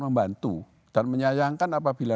membantu dan menyayangkan apabila